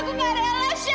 aku gak rela sya